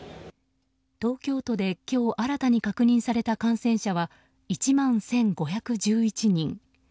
東京都で今日新たに確認された感染者は１万１５１１人。